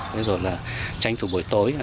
ví dụ là tranh thủ buổi tối